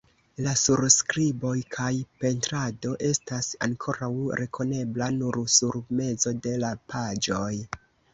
La surskriboj kaj pentrado estas ankoraŭ rekonebla nur sur mezo de la paĝoj.